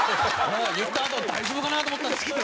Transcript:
言ったあと大丈夫かなと思ったんですけど。